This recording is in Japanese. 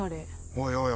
おいおい